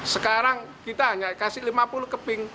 sekarang kita hanya kasih lima puluh keping